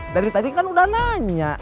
dari tadi kan udah nanya